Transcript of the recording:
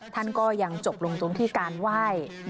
ท่านก็ยังจบลงตรงที่ซิริสุภาโรงแสนลงนะครับ